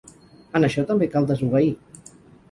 En això també cal desobeir.